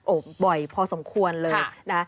บ่อยพอสมควรเลยนะ